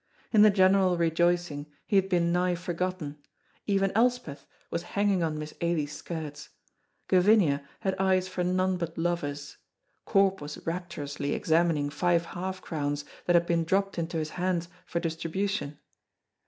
In the general rejoicing he had been nigh forgotten; even Elspeth was hanging on Miss Ailie's skirts, Gavinia had eyes for none but lovers, Corp was rapturously examining five half crowns that had been dropped into his hands for distribution.